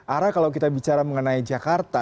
ara kalau kita bicara mengenai jakarta